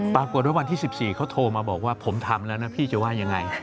วันที่๑๔เขาโทรมาบอกว่าผมทำแล้วนะพี่จะว่ายังไง